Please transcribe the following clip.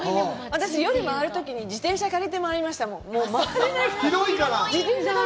私、夜回るときに自転車借りて回りましたもん。